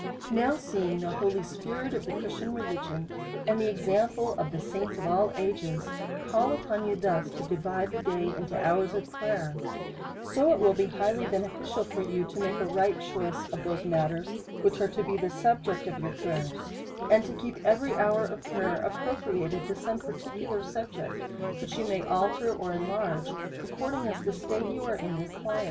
Now seeing the holy spirit of the Christian Reli gion, and the example of the saints of all ages, call upon you thus to divide the day into hours of prayer ; so it will be highly beneficial to you, to make a right choice of those matters which are to be the subject of your prayers, and to keep every hour of prayer ap propriated to some particular subject, which you may alter or enlarge, according as the state you are in re quires.